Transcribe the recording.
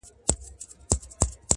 ساقي نن مه کوه د خُم د تشیدو خبري-